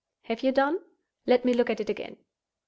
_ Have you done? Let me look at it again.